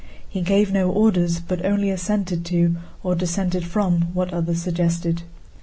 He gave no orders, but only assented to or dissented from what others suggested.